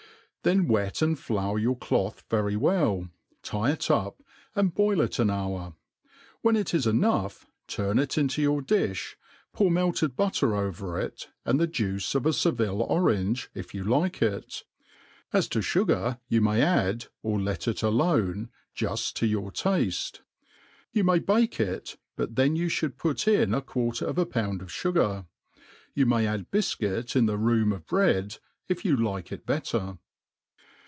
then Wet aad flour your cloth very well, t'lt it up, and boil it an hour, ^hen it is enough, turn |t into, your di(b, pour melted butter over it, and the juice of a Seville orange, if you like it; as to. fugar you may add, or let it alone, juft to your tafte. You may bake it; but then you (hould put in a quarter of a pound of fugar. You may add bifcuit in the room of bread, if you like it better.